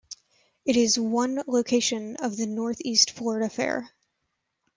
It is one location of the Northeast Florida Fair.